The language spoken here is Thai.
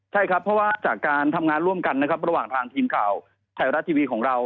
ใช่ครับเพราะว่าจากการทำงานร่วมกันนะครับระหว่างทางทีมข่าวไทยรัฐทีวีของเรา